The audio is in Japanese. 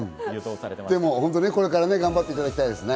でも、これから頑張っていただきたいですね。